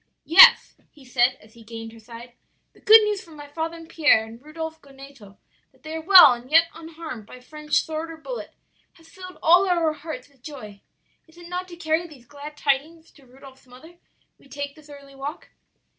"'Yes,' he said, as he gained her side, 'the good news from my father and Pierre, and Rudolph Goneto that they are well and yet unharmed by French sword or bullet has filled all our hearts with joy. Is it not to carry these glad tidings to Rudolph's mother we take this early walk?'